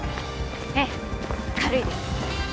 ええ軽いです